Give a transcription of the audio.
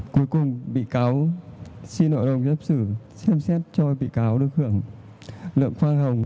cuối cùng bị cáo xin nội đồng giáp sử xem xét cho vị cáo được hưởng lượng khoan hồng